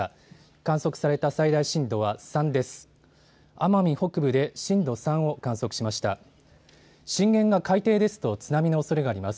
観測された最大震度は３です。